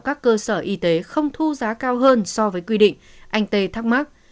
các cơ sở y tế không thu giá cao hơn so với quy định anh tê thắc mắc